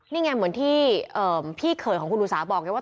นี่ไงเหมือนที่พี่เขยของคุณอุสาบอกไงว่า